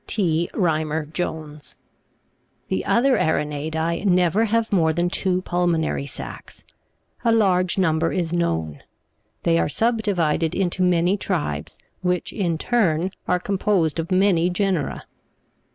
T. Rym.tr Jones, The other Aranei'dee never have more than two pulmonary sacs: a large number is known; they are subdivided into many tribes, which, in turn, are composed of many genera.